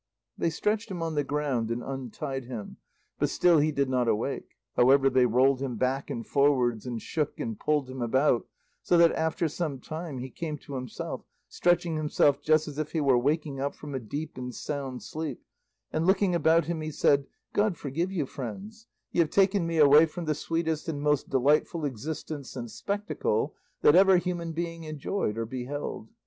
They stretched him on the ground and untied him, but still he did not awake; however, they rolled him back and forwards and shook and pulled him about, so that after some time he came to himself, stretching himself just as if he were waking up from a deep and sound sleep, and looking about him he said, "God forgive you, friends; ye have taken me away from the sweetest and most delightful existence and spectacle that ever human being enjoyed or beheld.